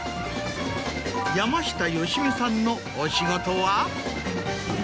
山下良美さんのお仕事は？